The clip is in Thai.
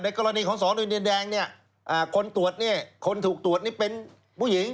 ในกรณีของสองดุลแดงคนถูกตรวจเป็นผู้หญิง